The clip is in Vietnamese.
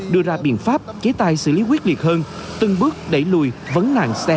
đưa ra biện pháp chế tài xử lý quyết liệt hơn từng bước đẩy lùi vấn nạn xe